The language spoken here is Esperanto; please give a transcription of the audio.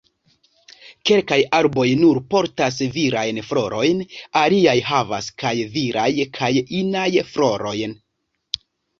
Kelkaj arboj nur portas virajn florojn.. Aliaj havas kaj viraj kaj inaj floroj.